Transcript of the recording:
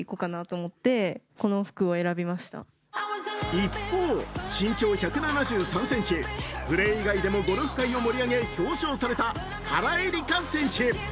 一方、身長１７３ｃｍ、プレー以外でもゴルフ界を盛り上げ表彰された原英莉花選手。